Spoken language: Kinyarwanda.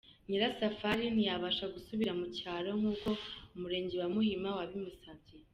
Nyirasafari ntiyabasha gusubira mu cyaro nk’uko Umurenge wa Muhima wabimusabye.